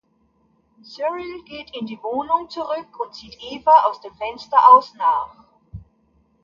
Cyril geht in die Wohnung zurück und sieht Eva aus dem Fenster aus nach.